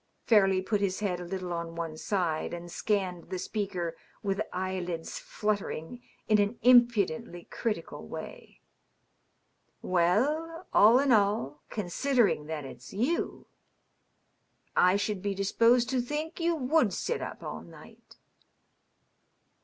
Fairleigh put his head a little on one side and scanned the speaker with eyelids fluttering in an impudently critical way. " Well, all in all, considering that it's yow, I should be disposed to think you wofM sit up all night."